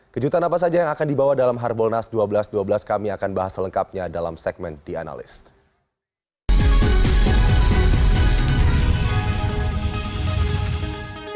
kejutan apa saja yang akan dibawa dalam harbolnas dua belas dua belas kami akan bahas selengkapnya dalam segmen the analyst